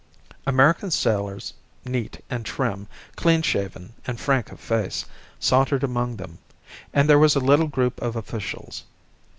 American sailors, neat and trim, clean shaven and frank of face, sauntered among them, and there was a little group of officials.